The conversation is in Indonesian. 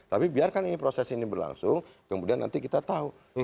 tapi biarkan ini proses ini berlangsung kemudian nanti kita tahu